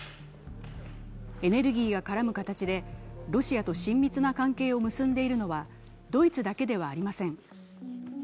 エネルギーが絡む形でロシアと親密な関係を結んでいるのはドイツだけではありません。